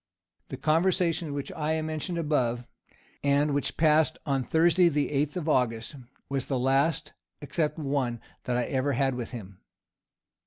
The conversation which I mentioned above, and which passed on Thursday the eighth of August, was the last, except one, that I ever had with him.